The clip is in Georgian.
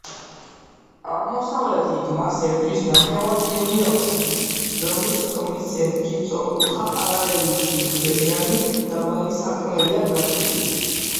აღმოსავლეთით მას ერთვის ნახევარწრიული აფსიდი, რომლის რომლის ცენტრშიც სწორკუთხა, პარალელურწირთხლებიანი, დაბალი სარკმელია გაჭრილი.